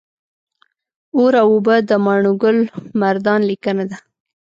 اور او اوبه د ماڼوګل مردان لیکنه ده